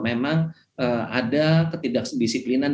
memang ada ketidaksisiplinan